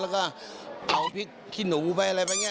แล้วก็เอาพริกขี้หนูไปอะไรแบบนี้